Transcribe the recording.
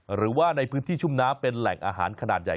หรือว่าในพื้นที่ชุ่มน้ำเป็นแหล่งอาหารขนาดใหญ่